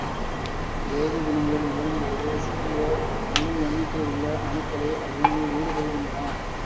வேதி வினைகள் நிகழும்பொழுது சிறிய முழு எண்ணிக்கை உள்ள அணுக்களே அவ்வினையில் ஈடுபடுகின்றன.